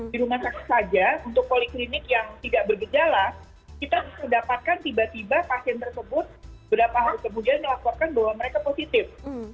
di rumah sakit saja untuk poliklinik yang tidak bergejala kita bisa dapatkan tiba tiba pasien tersebut beberapa hari kemudian melaporkan bahwa mereka positif